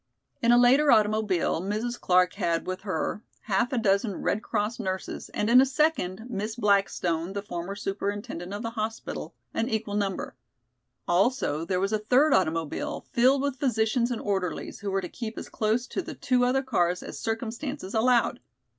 In a later automobile Mrs. Clark had with her half a dozen Red Cross nurses, and in a second Miss Blackstone, the former superintendent of the hospital, an equal number. Also there was a third automobile filled with physicians and orderlies who were to keep as close to the two other cars as circumstances allowed.